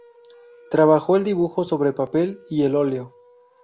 Trabajó el dibujo sobre papel y el óleo.